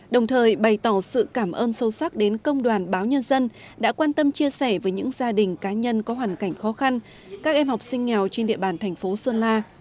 đồng thời bày tỏ sự cảm ơn sâu sắc đến công đoàn báo nhân dân đã quan tâm chia sẻ với những gia đình cá nhân có hoàn cảnh khó khăn các em học sinh nghèo trên địa bàn thành phố sơn la